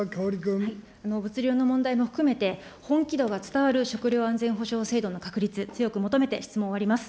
物流の問題も含めて、本気度が伝わる食料安全保障制度の確立、強く求めて、質問を終わります。